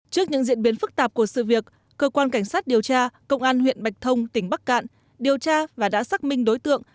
trước những diễn biến phức tạp của sự việc cơ quan cảnh sát điều tra công an huyện bạch thông tỉnh bắc cạn điều tra và đã xác minh đối tượng